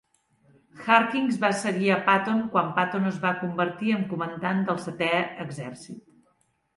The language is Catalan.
Harkins va seguir a Patton quan Patton es va convertir en comandant del Setè Exèrcit.